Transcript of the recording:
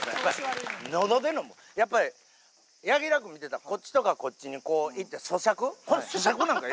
やっぱり柳楽君見てたらこっちとかこっちに行って。